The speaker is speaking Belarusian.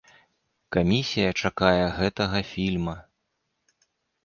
Камісія чакае гэтага фільма.